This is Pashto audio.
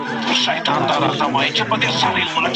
شریف د خپل پلار د پخوانیو کاغذونو ترمنځ یو سند پیدا کړ.